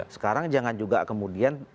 sekarang jangan juga kemudian